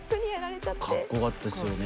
カッコよかったですよね